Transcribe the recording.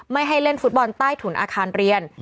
ไม่ให้เล่นฟุตบอลใต้ถุนอาคารเรียน